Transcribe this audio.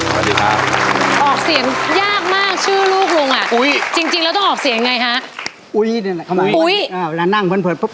สวัสดีครับออกเสียงยากมากชื่อลูกลุงอ่ะอุ้ยจริงจริงเราต้องออกเสียงยังไงฮะ